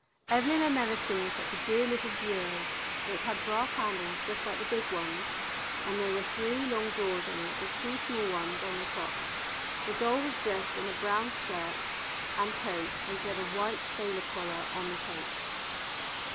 Evelyn had never seen such a dear little bureau. It had brass handles just like the big ones, and there were three long drawers in it with two small ones on the top. The doll was dressed in a brown skirt and coat, and she had a white sailor collar on the coat.